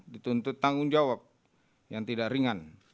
dituntut tanggung jawab yang tidak ringan